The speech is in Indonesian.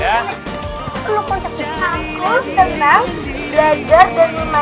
aku senang belajar dan main bola karena aku bisa